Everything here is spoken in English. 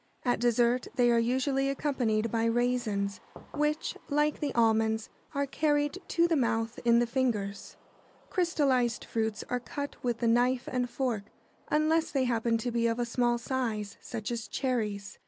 At dessert they are usually accompanied by raisins, which, like the almonds, are carried to the mouth in the fingers. [Sidenote: Crystallised fruits.] Crystallised fruits are cut with the knife and fork, unless they happen to be of a small size, such as cherries.